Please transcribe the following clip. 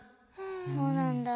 そうなんだ。